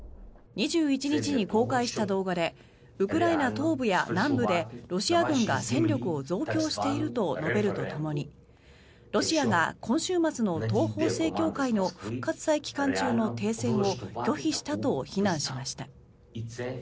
２１日に公開した動画でウクライナ東部や南部でロシア軍が戦力を増強していると述べるとともにロシアが今週末の東方正教会の復活祭期間中の停戦を拒否したと非難しました。